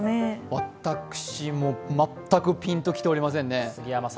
私も全くピンときておりませんね。